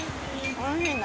おいしいね。